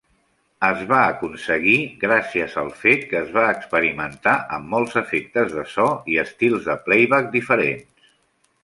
Es va aconseguir gràcies al fet que es va experimentar amb molts efectes de so i estils de playback diferents.